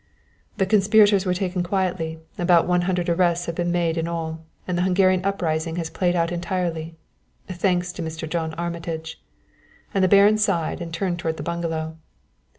"The conspirators were taken quietly; about one hundred arrests have been made in all, and the Hungarian uprising has played out utterly thanks to Mr. John Armitage," and the Baron sighed and turned toward the bungalow.